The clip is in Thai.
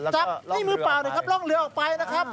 จับนี่มือเปล่านะครับร่องเรือออกไปนะครับ